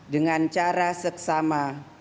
dengan cara seksama